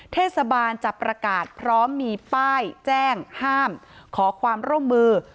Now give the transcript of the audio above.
เทศบาลจะประกาศพร้อมมีป้ายแจ้งห้ามขอความร่วมมือ